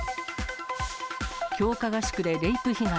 強化合宿でレイプ被害。